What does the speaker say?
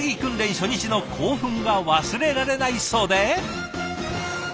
初日の興奮が忘れられないそうで。